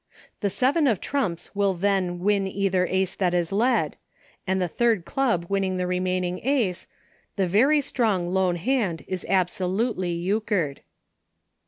The seven of trumps will then win either Ace that is led, and the third club winning the remaining Ace, the very strong lone hand is absolutely Euchred.